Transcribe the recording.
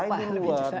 dari eropa lebih susah